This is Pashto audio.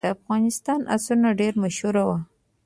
د افغانستان آسونه ډیر مشهور وو